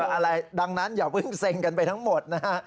อะไรดังนั้นอย่าเพิ่งเซ็งกันไปทั้งหมดนะฮะ